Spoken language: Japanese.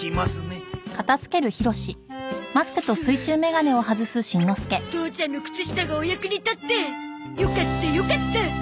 ハアッ父ちゃんの靴下がお役に立ってよかったよかった。